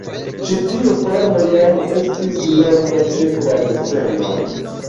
Ĉi tiu formo jam estis normo ĉe klaviceno.